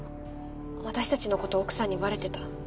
私たちのこと奥さんにバレてた。